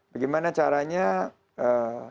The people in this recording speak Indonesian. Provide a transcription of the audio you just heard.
bagaimana caranya kebijakan kebijakan itu bisa dibuat